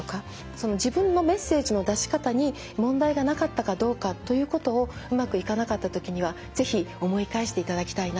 その自分のメッセージの出し方に問題がなかったかどうかということをうまくいかなかったときには是非思い返していただきたいなと思うんです。